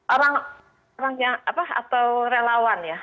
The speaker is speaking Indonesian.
orang orang yang apa atau relawan ya